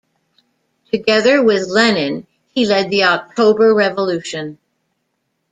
Together with Lenin he led the October Revolution.